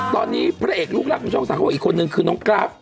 ตอนนี้เพลดลูกรักของช่องสาครอีกคนนึงคือน้องกรัฟ